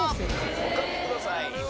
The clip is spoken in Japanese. お書きください。